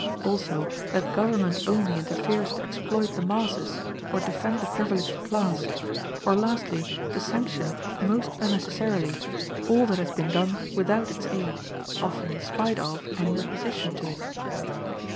Also that government only interferes to exploit the masses, or defend the privileged class, or, lastly, to sanction, most unnecessarily, all that has been done without its aid, often in spite of and in opposition to it.